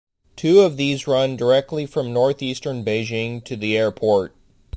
Two of these run directly from northeastern Beijing to the airport.